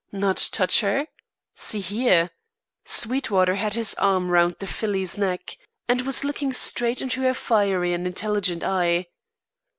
"Not touch her? See here!" Sweetwater had his arm round the filly's neck and was looking straight into her fiery and intelligent eye.